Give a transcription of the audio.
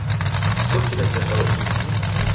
بۆچی لەسەر ئەوەت نووسی؟